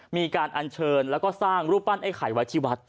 มีการอัญเชิญแล้วก็สร้างรูปปั้นไอ้ไข่ไว้ที่วัด